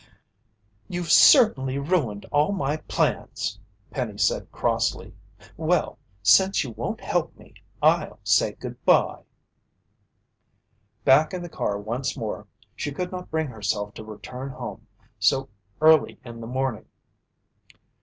"You've certainly ruined all my plans," Penny said crossly. "Well, since you won't help me, I'll say goodbye." Back in the car once more, she could not bring herself to return home so early in the morning.